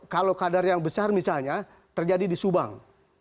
kalau kadar yang besar misalnya terjadi di subang